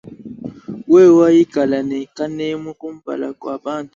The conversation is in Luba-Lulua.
Wewa ikala ne kanemu kumpala kua bantu.